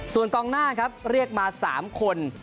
ส่วนกองหน้าครับเรียกมา๓คน